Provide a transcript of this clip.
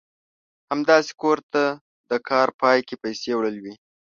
همداسې کور ته د کار پای کې پيسې وړل وي.